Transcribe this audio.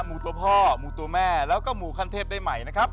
หมูตัวพ่อหมูตัวแม่แล้วก็หมูขั้นเทพได้ใหม่นะครับ